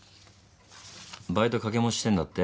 バイト掛け持ちしてんだって？